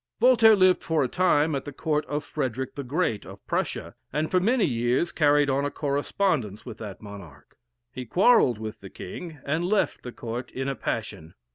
Voltaire lived for a time at the Court of Frederick the Great of Prussia, and for many years carried on a correspondence with that monarch. He quarrelled with the king, and left the court in a passion.